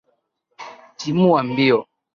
Timua mbio.